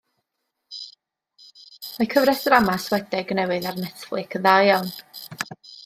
Mae cyfres ddrama Swedeg newydd ar Netflix yn dda iawn.